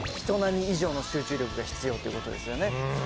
人並み以上の集中力が必要っていう事ですよね。